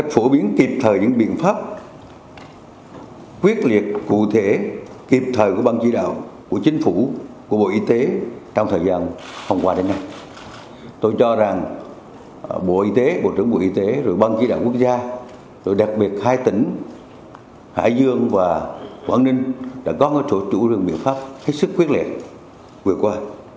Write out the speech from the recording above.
trong thời gian vừa qua đến nay tôi cho rằng bộ y tế bộ trưởng bộ y tế ban chỉ đạo quốc gia đặc biệt hai tỉnh hải dương và quảng ninh đã có một số chủ lượng biện pháp hết sức quyết liệt vừa qua